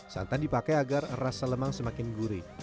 santan dipakai agar rasa lemang semakin gurih